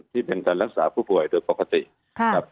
ที่เป็นการรักษาผู้ป่วยโดยปกติครับ